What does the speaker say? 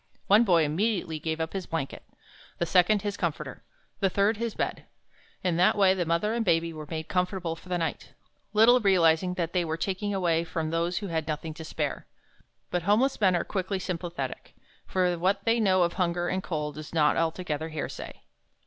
One boy immediately gave up his blanket, the second his comforter, the third his bed. In that way the mother and baby were made comfortable for the night, little realizing that they were taking anything away from those who had nothing to spare. But homeless men are quickly sympathetic, for what they know of hunger and cold is not altogether hearsay.